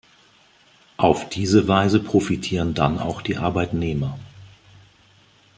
Auf diese Weise profitieren dann auch die Arbeitnehmer.